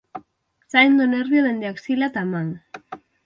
Saen do nervio dende axila ata a man.